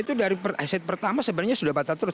itu dari aset pertama sebenarnya sudah batal turut